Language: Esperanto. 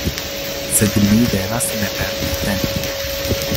Sed mi devas ne perdi tempon.